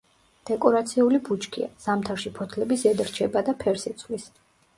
დეკორაციული ბუჩქია, ზამთარში ფოთლები ზედ რჩება და ფერს იცვლის.